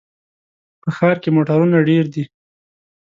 په ښار کې موټرونه ډېر دي.